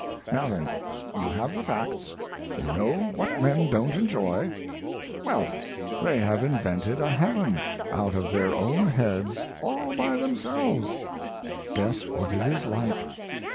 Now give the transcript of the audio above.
Now then, you have the facts. You know what men don't enjoy. Well, they have invented a heaven, out of their own heads, all by themselves; guess what it is like?